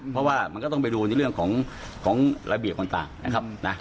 เพราะว่ามันก็ต้องไปดูในเรื่องของระเบียบต่างนะครับนะ